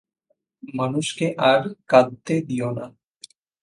মানুষকে আর কাঁদতে দিও না।